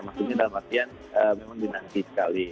maksudnya dalam artian memang dinanti sekali